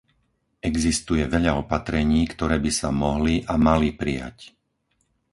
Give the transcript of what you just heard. Existuje veľa opatrení, ktoré by sa mohli a mali prijať.